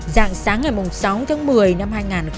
dạng sáng ngày sáu tháng một mươi năm hai nghìn